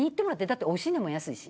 だっておいしいねんもん安いし。